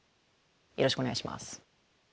よろしくお願いします。